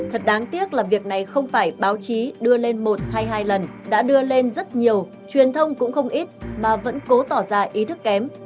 thật đáng tiếc là việc này không phải báo chí đưa lên một hay hai lần đã đưa lên rất nhiều truyền thông cũng không ít mà vẫn cố tỏ ra ý thức kém